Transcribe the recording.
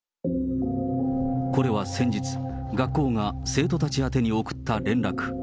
これは先日、学校が生徒たち宛てに送った連絡。